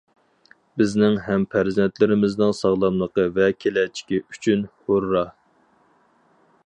بىزنىڭ ھەم پەرزەنتلىرىمىزنىڭ ساغلاملىقى ۋە كېلەچىكى ئۈچۈن ھۇررا!